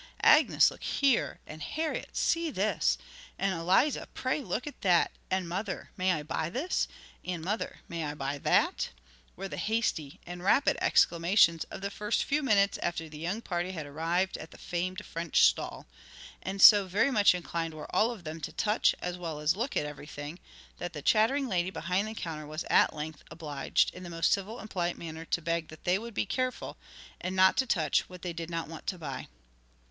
'Agnes look here,' and 'Harriet see this'; and 'Eliza, pray look at that'; and 'Mother, may I buy this?' and 'Mother, may I buy that?' were the hasty and rapid exclamations of the first few minutes after the young party had arrived at the famed French stall; and so very much inclined were all of them to touch as well as look at everything that the chattering lady behind the counter was at length obliged in the most civil and polite manner to beg that they would be careful, and not touch what they did not want to buy.